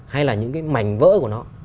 hay là những cái mảnh vỡ của nó